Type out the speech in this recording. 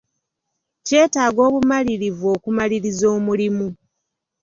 Kyetaaga obumalirivu okumaliriza omulimu.